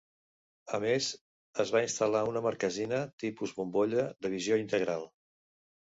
A més, es va instal·lar una marquesina tipus bombolla de visió integral.